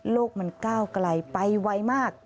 โลกมันก้าวไกลไปไวมาก